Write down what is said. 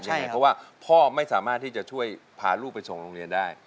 เพราะว่าพ่อไม่สามารถที่จะช่วยพาลูกไปส่งโรงเรียนได้